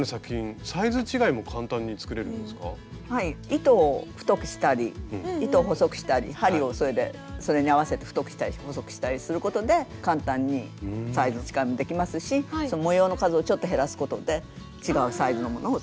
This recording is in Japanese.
糸を太くしたり糸を細くしたり針をそれに合わせて太くしたり細くしたりすることで簡単にサイズ違いもできますし模様の数をちょっと減らすことで違うサイズのものを作る。